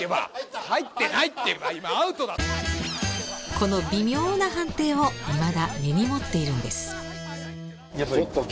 この微妙な判定をいまだ根に持っているんです。